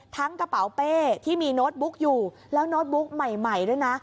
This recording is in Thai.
กระเป๋าเป้ที่มีโน้ตบุ๊กอยู่แล้วโน้ตบุ๊กใหม่ด้วยนะ